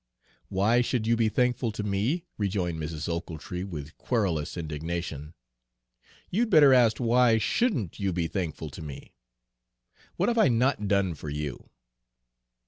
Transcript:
"Why should you be thankful to me?" rejoined Mrs. Ochiltree with querulous indignation. "You'd better ask why shouldn't you be thankful to me. What have I not done for you?"